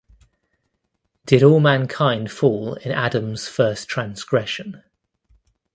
Did all mankind fall in Adam’s first transgression?